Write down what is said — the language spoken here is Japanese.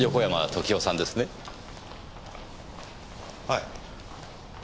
はい。